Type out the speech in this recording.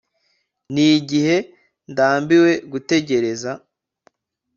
nigihe ndambiwe gutekereza